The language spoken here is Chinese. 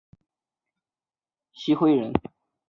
郗恢人。